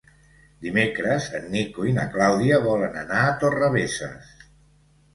Dimecres en Nico i na Clàudia volen anar a Torrebesses.